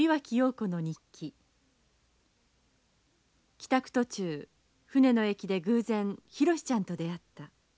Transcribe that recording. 「帰宅途中船の駅でぐう然浩史ちゃんと出あった。